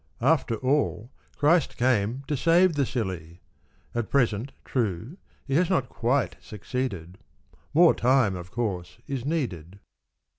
After all, Christ came To save the silly. At present, true, he has not quite succeeded : More time, of course, is needed.)